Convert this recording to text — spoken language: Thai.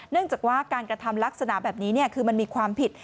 เนื่องจากว่าการกระทำลักษณะแบบนี้คือมันมีความผิด